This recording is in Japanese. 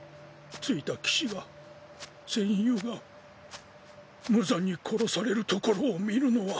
付いた騎士が戦友が無惨に殺されるところを見るのは。